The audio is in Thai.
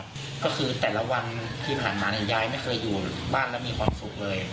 ไม่เคยยุ่งค่ะพูดดีก็คือแต่ละวันที่ผ่านมาในยายไม่เคยอยู่บ้านแล้วมีความสุขเลย